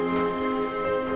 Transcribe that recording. lalu selamat tinggal